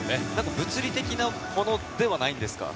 物理的なものではないん